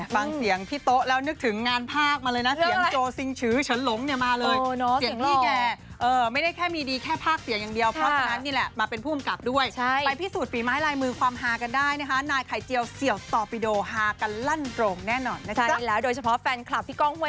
ฟังเสียงพี่โต๊ะแล้วนึกถึงงานภาคมาเลยนะเสียงโจ้สิงฉือฉันหลงเนี่ยมาเลยเสียงพี่แกไม่ได้แค่มีดีแค่ภาคเสียงอย่างเดียวเพราะฉะนั้นนี่แหละมาเป็นผู้กับด้วยไปพิสูจน์ปีนไม้ลายมือความฮากันได้นะคะนายไข่เจียวเสี่ยวต่อไปโด่ฮากันลั่นโต่งแน่นอนนะครับใช่แล้วโดยเฉพาะแฟนคลับพี่ก้องเฮ้